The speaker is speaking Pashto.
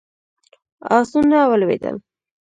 آسونه ولوېدل.